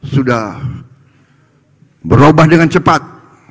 sudah berubah dengan cepat